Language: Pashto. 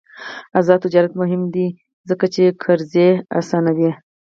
آزاد تجارت مهم دی ځکه چې قرضې اسانوي.